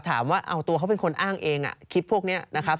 ถามว่าเอาตัวเขาเป็นคนอ้างเองคลิปพวกนี้นะครับ